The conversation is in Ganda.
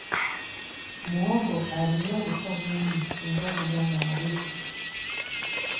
Muwogo alimu obutwa bungi singa omulya nga mubisi.